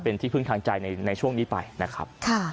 เป็นที่พึ่งทางใจในช่วงนี้ไปนะครับ